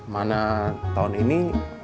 mana tahun ini